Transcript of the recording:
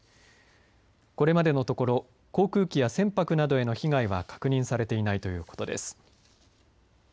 これまでのところ航空機や船舶などへの被害は確認されていないということです。